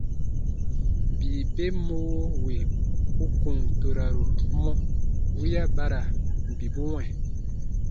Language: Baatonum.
Bii ben mɔwo wì u kùn toraru mɔ, wiya ba ra bibu wɛ̃.